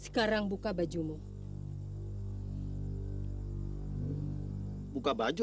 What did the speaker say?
sekarang buka bajumu